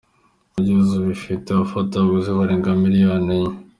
Kugeza ubu ifite abafatabuguzi barenga miliyoni enye.